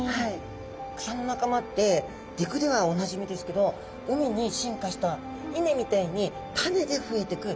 草の仲間って陸ではおなじみですけど海に進化したいねみたいに種で増えてく